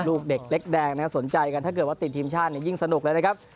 ลูกเด็กเล็กแดงนะครับสนใจกันถ้าเกิดว่าติดทีมชาติยิ่งสนุกเลยนะครับ